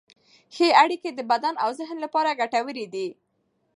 ښه اړیکې د بدن او ذهن لپاره ګټورې دي.